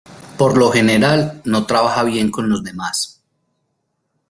Por lo general, no trabaja bien con los demás.